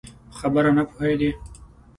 په خبره نه پوهېدی؟